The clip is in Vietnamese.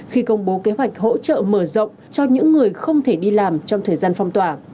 khi công bố kế hoạch hỗ trợ mở rộng cho những người không thể đi làm trong thời gian phong tỏa